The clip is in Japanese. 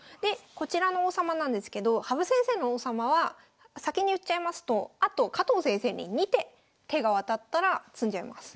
こちらの王様なんですけど羽生先生の王様は先に言っちゃいますとあと加藤先生に２手手が渡ったら詰んじゃいます。